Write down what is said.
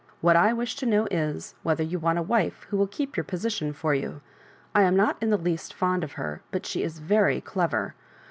What I wish to know is, whether you want a wife who will keep your position for you. I am not in the least fond of her, but she is very clever.